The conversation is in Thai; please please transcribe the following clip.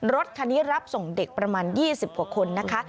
รถคันนี้รับส่งเด็กประมาณ๒๐กว่าคนนะคะ